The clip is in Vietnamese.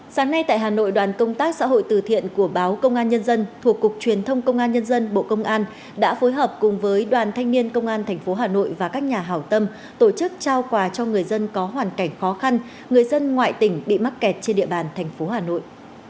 sáng nay tại hà nội đoàn công tác xã hội từ thiện của báo công an nhân dân thuộc cục truyền thông công an nhân dân bộ công an đã phối hợp cùng với đoàn thanh niên công an tp hà nội và các nhà hảo tâm tổ chức trao quà cho người dân có hoàn cảnh khó khăn người dân ngoại tỉnh bị mắc kẹt trên địa bàn thành phố hà nội